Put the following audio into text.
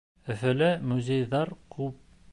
Өфөлә музейҙар күп.